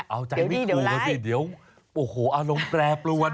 เอาใจไม่ถูกเดี๋ยวอารมณ์แปลบลวน